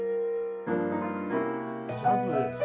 ジャズ。